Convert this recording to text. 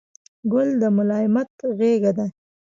ګل د ملایمت غېږه ده.